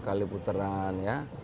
sepuluh kali putaran ya